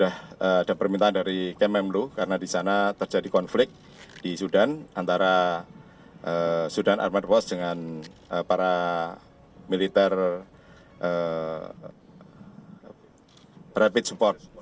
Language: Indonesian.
ada permintaan dari kemenlu karena di sana terjadi konflik di sudan antara sudan armada wash dengan para militer rapid support